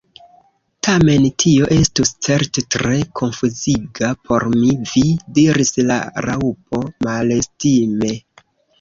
"Tamen tio estus certe tre konfuziga por mi!" "Vi!" diris la Raŭpo malestime ".